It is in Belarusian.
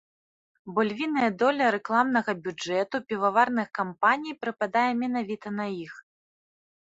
Бо львіная доля рэкламнага бюджэту піваварных кампаній прыпадае менавіта на іх.